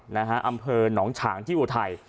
อำเภอหนองฉางที่อุทัย